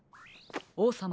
おうさま